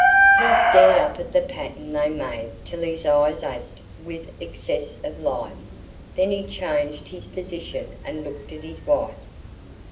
He stared up at the pattern they made till his eyes ached with excess of light; then he changed his position and looked at his wife.